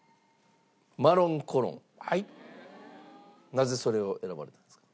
なぜそれを選ばれたんですか？